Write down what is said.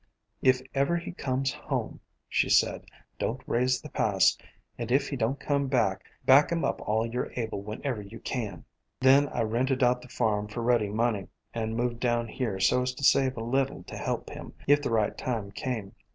'If ever he comes home,' she said, 'don't raise the past. And if he don't come, back him up all you 're able when ever you can.' "Then I rented out the farm for ready money, and moved down here so as to save a little to help him if the right time came.